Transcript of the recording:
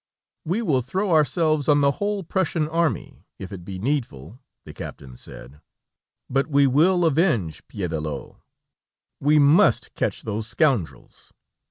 "We will throw ourselves on the whole Prussian army, if it be needful," the captain said, "but we will avenge Piédelot. We must catch those scoundrels.